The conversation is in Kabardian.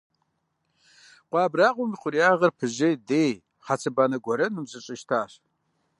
Къуэ абрагъуэм и хъуреягъыр пыжьей, дей, хьэцыбанэ гуэрэнхэм зэщӀащтащ.